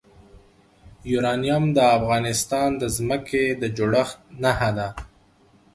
یورانیم د افغانستان د ځمکې د جوړښت نښه ده.